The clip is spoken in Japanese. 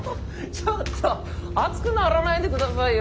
ちょっと熱くならないで下さいよ。